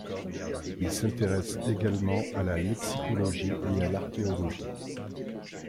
Il s'intéresse également à la lexicologie et à l'archéologie.